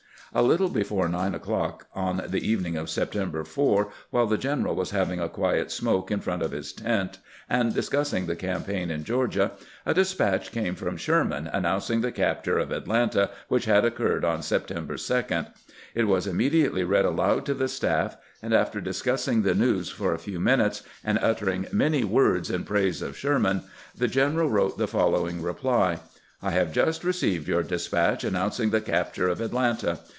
A little before nine o'clock on the evening of Septem ber 4, while the general was having a quiet smoke in front of his tent, and disciTSsing the campaign in Q eorgia, a despatch came from Sherman announcing the capture of Atlanta, which had occurred on September 2. It was immediately read aloud to the staff, and after discussing the news for a few minutes, and uttering many words in praise of Sherman, the general wrote the following reply :" I have just received your despatch announcing the capture of Atlanta.